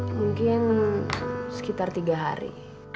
mungkin sekitar tiga hari